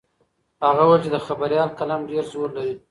هغه وویل چې د خبریال قلم ډېر زور لري.